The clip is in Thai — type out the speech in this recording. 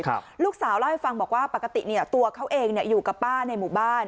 ลูกสาวเล่าให้ฟังบอกว่าปกติเนี่ยตัวเขาเองเนี่ยอยู่กับป้าในหมู่บ้าน